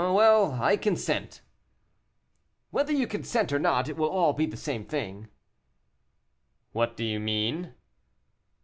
"Well, I consent." "Whether you consent or not, it will be all the same thing." "What do you mean?"